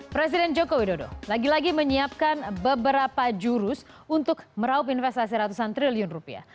presiden joko widodo lagi lagi menyiapkan beberapa jurus untuk meraup investasi ratusan triliun rupiah